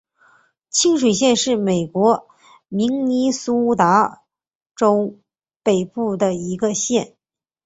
清水县是美国明尼苏达州北部的一个县。